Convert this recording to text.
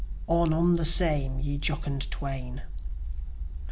On, on the Same, Ye Jocund Twain!